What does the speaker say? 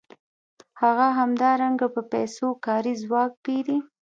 هغه همدارنګه په پیسو کاري ځواک پېري